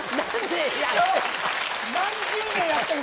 何年やってるの。